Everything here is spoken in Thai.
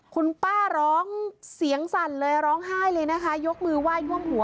คุณป้าร้องเสียงสั่นเลยร้องไห้เลยนะคะยกมือไหว้ท่วมหัว